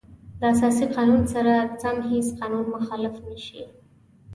د اساسي قانون سره سم هیڅ قانون مخالف نشي.